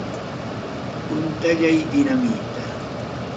Puntallay dinamita.